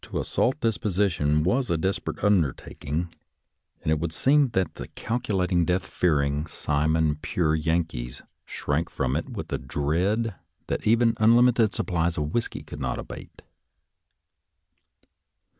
*•* To assault this position was a desperate under taking, and it would seem that the calculating. 90 'SOLDIER'S LETTERS TO CHARMING NELLIE death fearing, simon pure Yankees shrank from it with a dread that even unlimited supplies of whisky could not abate.